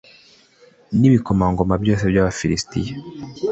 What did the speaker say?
n'ibikomangoma byose by'abafilisiti